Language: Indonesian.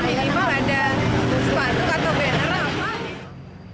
ini malah ada sesuatu atau beneran